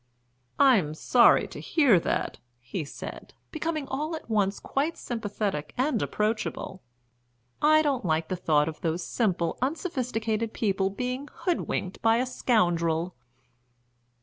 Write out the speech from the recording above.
"I am sorry to hear that," he said, becoming all at once quite sympathetic and approachable. "I don't like the thought of those simple, unsophisticated people being hoodwinked by a scoundrel."